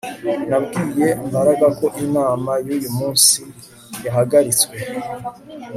Nabwiye Mbaraga ko inama yuyu munsi yahagaritswe